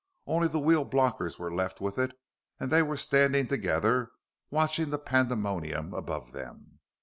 Only the wheel blockers were left with it, and they were standing together watching the pandemonium above them.